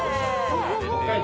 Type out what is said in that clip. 北海道